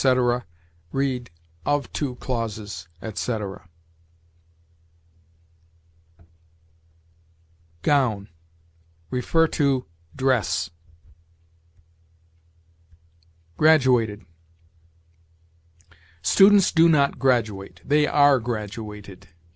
read, "of two clauses," etc. GOWN. See DRESS. GRADUATED. Students do not graduate; they are graduated.